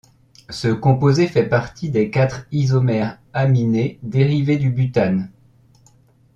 Ce composé fait partie des quatre isomères aminés dérivés du butane.